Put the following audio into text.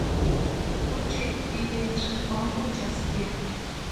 Juchiti pirentsï wampuchastia.